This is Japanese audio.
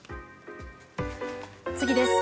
次です。